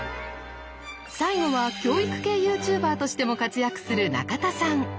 最後は教育系ＹｏｕＴｕｂｅｒとしても活躍する中田さん！